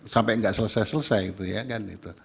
sampai gak selesai selesai